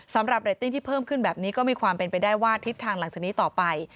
เรตติ้งที่เพิ่มขึ้นแบบนี้ก็มีความเป็นไปได้ว่าทิศทางหลังจากนี้ต่อไป